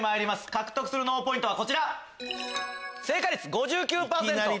獲得する脳ポイントはこちら。